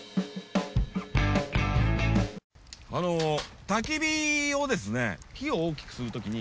あのたき火をですね火を大きくするときに。